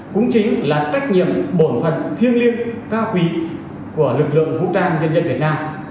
cũng chính là trách nhiệm bổn phận thiêng liêng cao quý của lực lượng vũ trang nhân dân việt nam